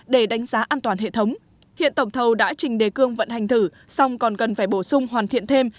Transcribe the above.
để đánh giá an toàn hệ thống hiện tổng thầu đã trình đề cương vận hành thử xong còn cần phải bổ sung hoàn thiện thêm